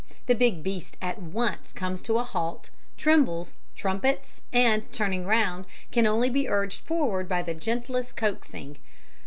The big beast at once comes to a halt, trembles, trumpets, and turning round, can only be urged forward by the gentlest coaxing.